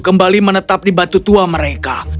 kembali menetap di batu tua mereka